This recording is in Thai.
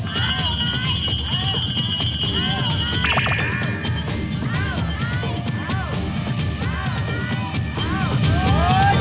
เยี่ยมมาก